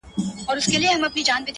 • هر یو هډ یې له دردونو په ضرور سو ,